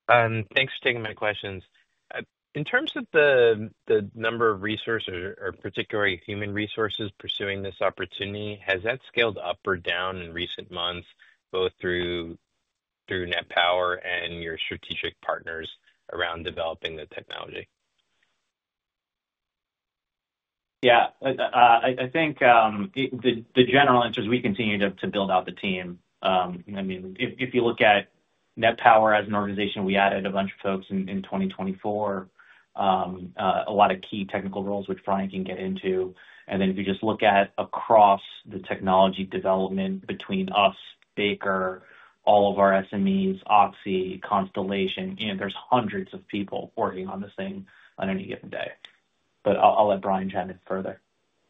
Thanks for taking my questions. In terms of the number of resources or particularly human resources pursuing this opportunity, has that scaled up or down in recent months both through Net Power and your strategic partners around developing the technology? Yeah. I think the general answer is we continue to build out the team. I mean, if you look at Net Power as an organization, we added a bunch of folks in 2024, a lot of key technical roles, which Brian can get into. And then if you just look at across the technology development between us, Baker, all of our SMEs, Oxy, Constellation, there's hundreds of people working on this thing on any given day. But I'll let Brian chime in further.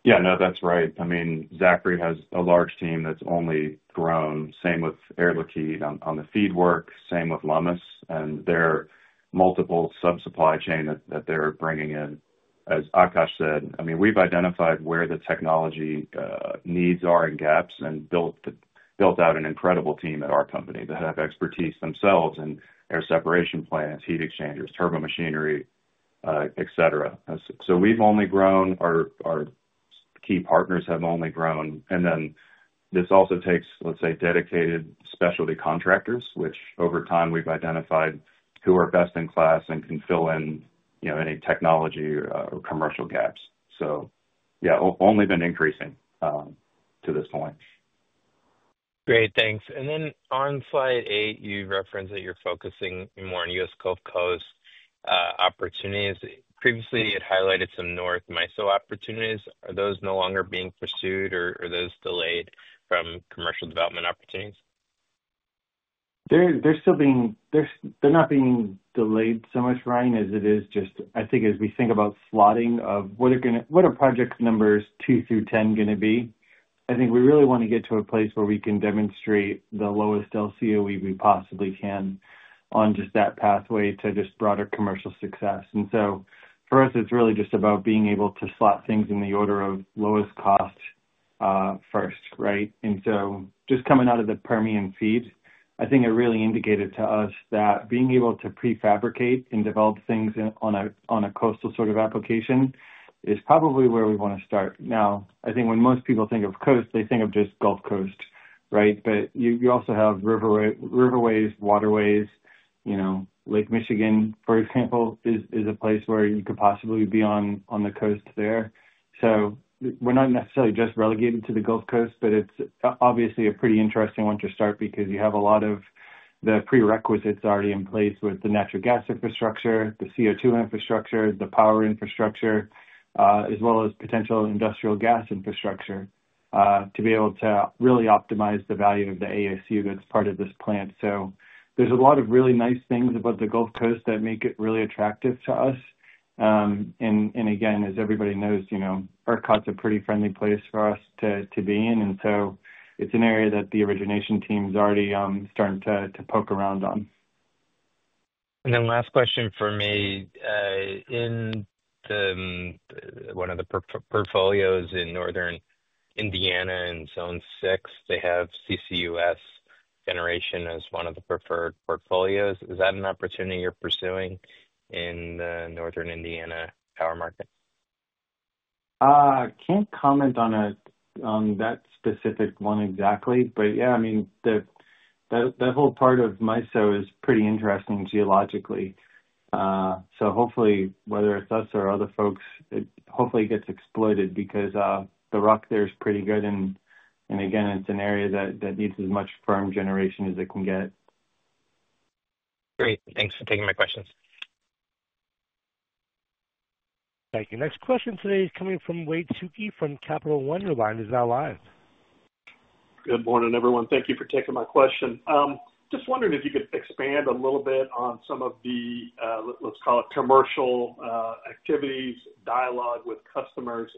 Yeah. No, that's right. I mean, Zachry has a large team that's only grown. Same with Air Liquide on the FEED work. Same with Lummus. There are multiple sub-supply chains that they're bringing in. As Akash said, I mean, we've identified where the technology needs are and gaps and built out an incredible team at our company that have expertise themselves in air separation plants, heat exchangers, turbo machinery, etc. We have only grown. Our key partners have only grown. This also takes, let's say, dedicated specialty contractors, which over time we've identified who are best in class and can fill in any technology or commercial gaps. Yeah, only been increasing to this point. Great. Thanks. On slide eight, you referenced that you're focusing more on U.S. Gulf Coast opportunities. Previously, you had highlighted some North MISO opportunities. Are those no longer being pursued, or are those delayed from commercial development opportunities? They're not being delayed so much, Ryan, as it is just, I think, as we think about slotting of what are project numbers two through ten going to be. I think we really want to get to a place where we can demonstrate the lowest LCOE we possibly can on just that pathway to just broader commercial success. For us, it's really just about being able to slot things in the order of lowest cost first, right? Just coming out of the Permian FEED, I think it really indicated to us that being able to prefabricate and develop things on a coastal sort of application is probably where we want to start. I think when most people think of coast, they think of just Gulf Coast, right? You also have riverways, waterways. Lake Michigan, for example, is a place where you could possibly be on the coast there. We're not necessarily just relegated to the Gulf Coast, but it's obviously a pretty interesting one to start because you have a lot of the prerequisites already in place with the natural gas infrastructure, the CO2 infrastructure, the power infrastructure, as well as potential industrial gas infrastructure to be able to really optimize the value of the ASU that's part of this plant. There are a lot of really nice things about the Gulf Coast that make it really attractive to us. Again, as everybody knows, ERCOT's a pretty friendly place for us to be in. It's an area that the origination team's already starting to poke around on. Last question for me. In one of the portfolios in northern Indiana and Zone 6, they have CCUS generation as one of the preferred portfolios. Is that an opportunity you're pursuing in the northern Indiana power market? Can't comment on that specific one exactly. Yeah, I mean, that whole part of MISO is pretty interesting geologically. Hopefully, whether it's us or other folks, it hopefully gets exploited because the rock there is pretty good. Again, it's an area that needs as much firm generation as it can get. Great. Thanks for taking my questions. Thank you. Next question today is coming from Wade Suki from Capital One. Your line is now live. Good morning, everyone. Thank you for taking my question. Just wondering if you could expand a little bit on some of the, let's call it, commercial activities, dialogue with customers.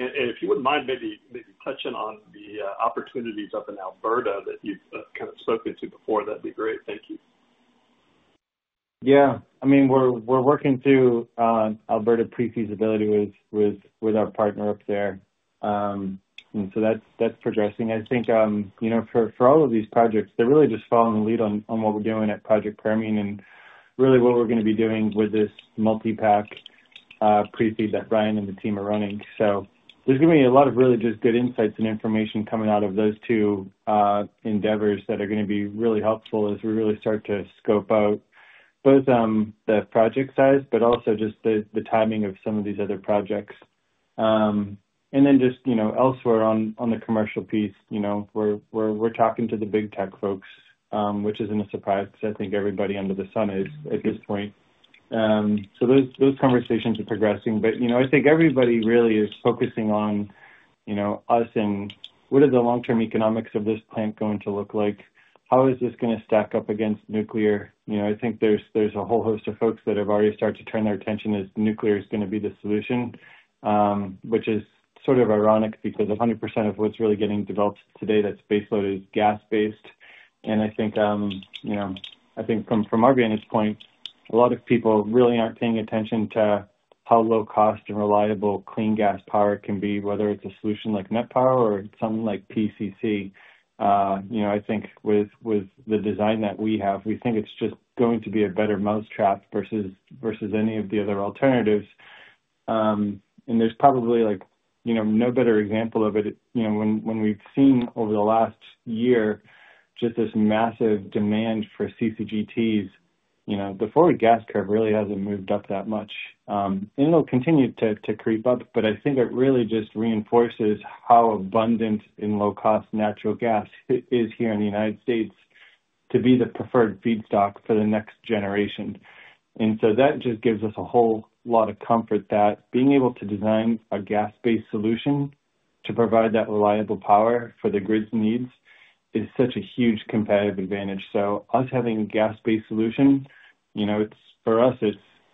If you wouldn't mind maybe touching on the opportunities up in Alberta that you've kind of spoken to before, that'd be great. Thank you. Yeah. I mean, we're working through Alberta pre-feasibility with our partner up there, and that's progressing. I think for all of these projects, they're really just following the lead on what we're doing at Project Permian and really what we're going to be doing with this multi-pack pre-FEED that Brian and the team are running. There's going to be a lot of really just good insights and information coming out of those two endeavors that are going to be really helpful as we really start to scope out both the project size, but also just the timing of some of these other projects. Elsewhere on the commercial piece, we're talking to the big tech folks, which isn't a surprise because I think everybody under the sun is at this point. Those conversations are progressing. I think everybody really is focusing on us and what are the long-term economics of this plant going to look like? How is this going to stack up against nuclear? I think there's a whole host of folks that have already started to turn their attention as nuclear is going to be the solution, which is sort of ironic because 100% of what's really getting developed today that's baseload is gas-based. I think from our vantage point, a lot of people really aren't paying attention to how low-cost and reliable clean gas power can be, whether it's a solution like Net Power or something like PCC. I think with the design that we have, we think it's just going to be a better mousetrap versus any of the other alternatives. There's probably no better example of it. When we've seen over the last year just this massive demand for CCGTs, the forward gas curve really hasn't moved up that much. It'll continue to creep up, but I think it really just reinforces how abundant and low-cost natural gas is here in the U.S. to be the preferred feedstock for the next generation. That just gives us a whole lot of comfort that being able to design a gas-based solution to provide that reliable power for the grid's needs is such a huge competitive advantage. Us having a gas-based solution, for us,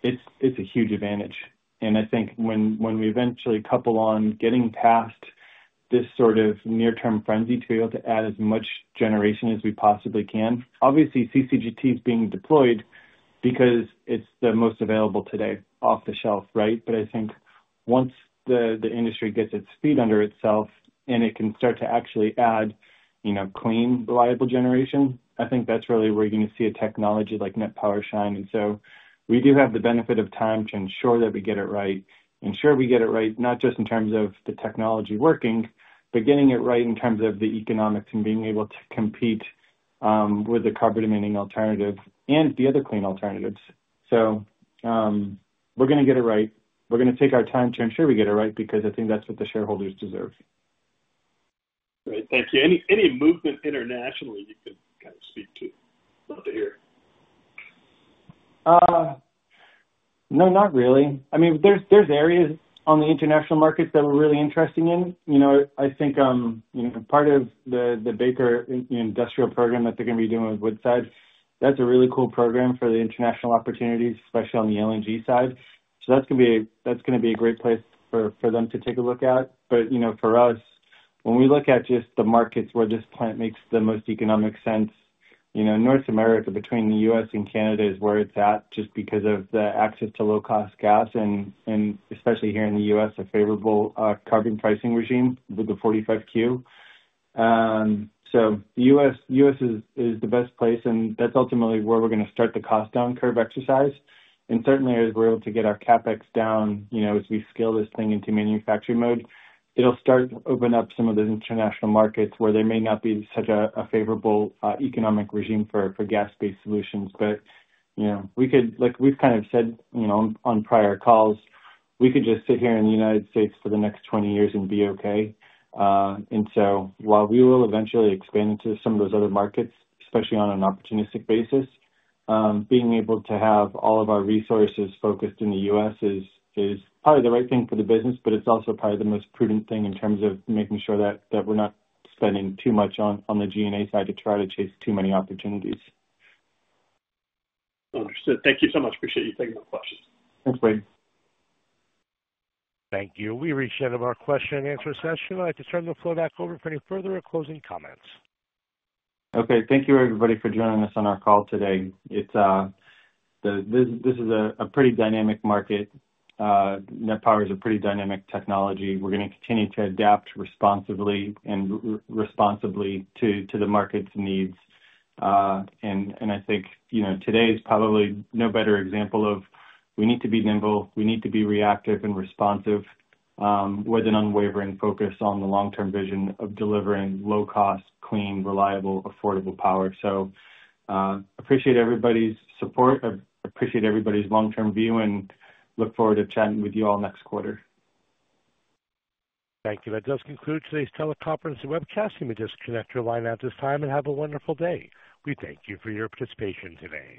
it's a huge advantage. I think when we eventually couple on getting past this sort of near-term frenzy to be able to add as much generation as we possibly can, obviously, CCGT is being deployed because it's the most available today off the shelf, right? I think once the industry gets its feet under itself and it can start to actually add clean, reliable generation, I think that's really where you're going to see a technology like Net Power shine. We do have the benefit of time to ensure that we get it right. Ensure we get it right, not just in terms of the technology working, but getting it right in terms of the economics and being able to compete with the carbon-emitting alternative and the other clean alternatives. We're going to get it right. We're going to take our time to ensure we get it right because I think that's what the shareholders deserve. Great. Thank you. Any movement internationally you could kind of speak to? Love to hear. No, not really. I mean, there's areas on the international markets that we're really interested in. I think part of the Baker industrial program that they're going to be doing with Woodside, that's a really cool program for the international opportunities, especially on the LNG side. That is going to be a great place for them to take a look at. For us, when we look at just the markets where this plant makes the most economic sense, North America between the U.S. and Canada is where it's at just because of the access to low-cost gas and especially here in the U.S., a favorable carbon pricing regime with the 45Q. The U.S. is the best place, and that's ultimately where we're going to start the cost-down curve exercise. Certainly, as we're able to get our CapEx down as we scale this thing into manufacturing mode, it'll start to open up some of the international markets where there may not be such a favorable economic regime for gas-based solutions. Like we've kind of said on prior calls, we could just sit here in the United States for the next 20 years and be okay. While we will eventually expand into some of those other markets, especially on an opportunistic basis, being able to have all of our resources focused in the U.S. is probably the right thing for the business, but it's also probably the most prudent thing in terms of making sure that we're not spending too much on the G&A side to try to chase too many opportunities. Understood. Thank you so much. Appreciate you taking my questions. Thanks, Wade. Thank you. We reached the end of our question-and-answer session. I'd like to turn the floor back over for any further or closing comments. Okay. Thank you, everybody, for joining us on our call today. This is a pretty dynamic market. Net Power is a pretty dynamic technology. We're going to continue to adapt responsibly to the market's needs.I think today is probably no better example of we need to be nimble. We need to be reactive and responsive with an unwavering focus on the long-term vision of delivering low-cost, clean, reliable, affordable power. I appreciate everybody's support. I appreciate everybody's long-term view and look forward to chatting with you all next quarter. Thank you. That does conclude today's teleconference and webcast. Let me just connect your line out at this time and have a wonderful day. We thank you for your participation today.